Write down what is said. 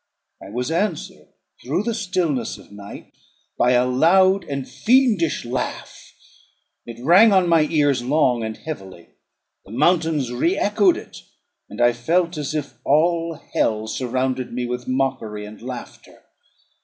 I was answered through the stillness of night by a loud and fiendish laugh. It rung on my ears long and heavily; the mountains re echoed it, and I felt as if all hell surrounded me with mockery and laughter.